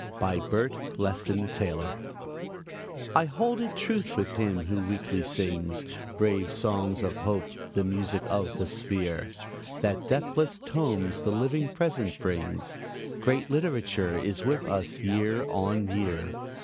BY BERT LESTON TAYLOR I hold it truth with him who weekly sings Brave songs of hope, the music of "The Sphere," That deathless tomes the living present brings: Great literature is with us year on year.